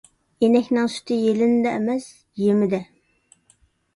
ئىنەكنىڭ سۈتى يېلىنىدە ئەمەس، يېمىدە.